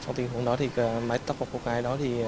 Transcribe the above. trong tình huống đó thì mái tóc của cô gái đó